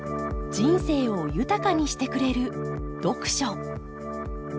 人生を豊かにしてくれる読書。